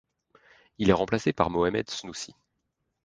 Il est remplacé par Mohamed Snoussi.